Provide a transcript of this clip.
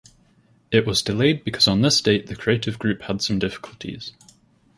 It was delayed because on this date the creative group had some difficulties.